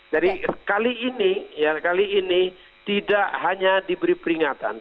jadi kali ini ya kali ini tidak hanya diberi peringatan